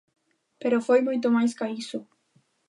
Pero foi moito máis ca iso.